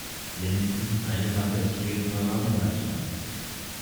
Mindestens eine Wache ist stets in Alarmbereitschaft.